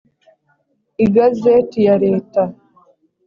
igazeti ya leta